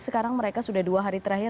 sekarang mereka sudah dua hari terakhir